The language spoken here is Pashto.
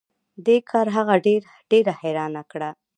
دې کار هغه ډیره حیرانه نه کړه